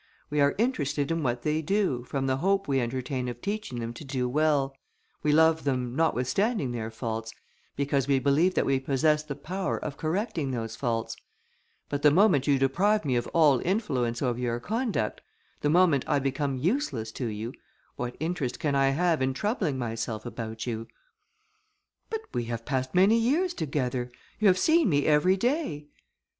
We are interested in what they do, from the hope we entertain of teaching them to do well: we love them, notwithstanding their faults, because we believe that we possess the power of correcting those faults; but the moment you deprive me of all influence over your conduct, the moment I become useless to you, what interest can I have in troubling myself about you?" "But we have passed many years together. You have seen me every day."